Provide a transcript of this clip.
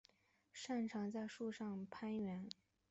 擅长在树上攀援。